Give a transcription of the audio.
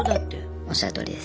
おっしゃるとおりです。